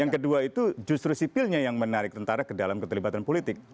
yang kedua itu justru sipilnya yang menarik tentara ke dalam keterlibatan politik